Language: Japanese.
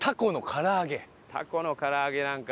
タコのから揚げなんか。